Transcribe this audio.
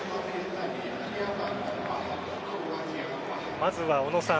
まずは小野さん